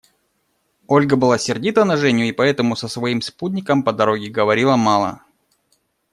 Ольга была сердита на Женю и поэтому со своим спутником по дороге говорила мало.